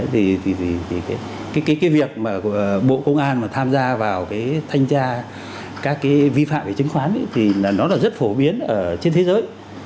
thì cái việc mà bộ công an mà tham gia vào cái thanh tra các cái vi phạm về chứng khoán thì nó là rất phổ biến ở trên thế giới